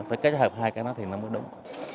phải kết hợp hai cái đó thì nó mới đúng